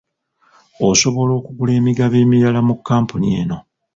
Osobola okugula emigabo emirala mu kkampuni eno.